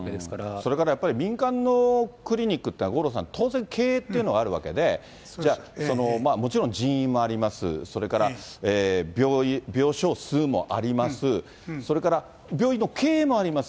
それからやっぱり、民間のクリニックというのは五郎さん、当然、経営というのがあるわけで、じゃあ、もちろん人員もありますし、それから病床数もあります、それから病院の経営もあります。